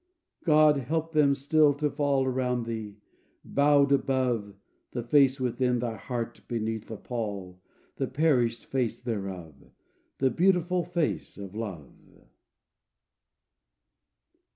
"God help them still to fall Around thee, bowed above The face within thy heart, beneath the pall, The perished face thereof, The beautiful face of Love."